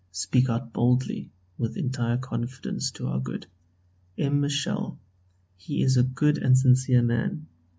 Speak out boldly, with entire confidence to our good M. Michel; he is a good and sincere man.